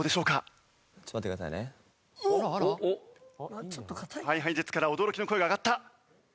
あっちょっと硬い？ＨｉＨｉＪｅｔｓから驚きの声が上がった。